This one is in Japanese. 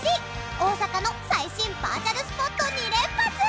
大阪の最新バーチャルスポット２連発！